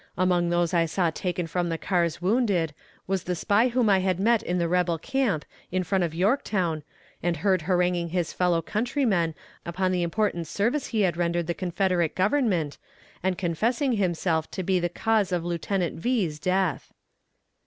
Among those I saw taken from the cars wounded, was the spy whom I had met in the rebel camp in front of Yorktown, and heard haranguing his fellow countryman upon the important service he had rendered the Confederate Government, and confessing himself to be the cause of Lieutenant's V's death.